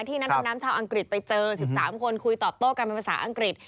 ที่นัดนำชาวอังกฤษไปเจอ๑๓คนคุยต่อโต๊ะกันในภาษาอังกฤษ